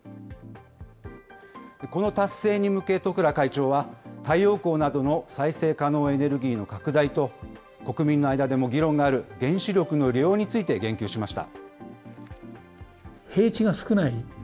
この達成に向け、十倉会長は、太陽光などの再生可能エネルギーの拡大と、国民の間でも議論がある原子力の利用について言及しました。